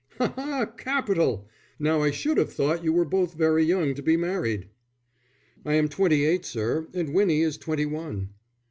"Ha, ha, capital! Now I should have thought you were both very young to be married." "I am twenty eight, sir, and Winnie is twenty one."